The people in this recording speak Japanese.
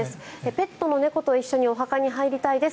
ペットの猫と一緒にお墓に入りたいです